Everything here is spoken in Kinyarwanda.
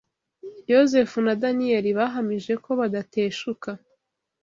Yosefu na Daniyeli bahamije ko badateshuka